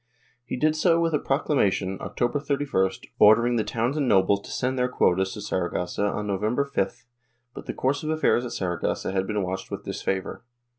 He did so with a procla mation, October 31st, ordering the towns and nobles to send their quotas to Saragossa on November 5th, but the course of affairs at Saragossa had been watched with disfavor.